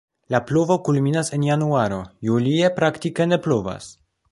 La pluvo kulminas en januaro, julie praktike ne pluvas.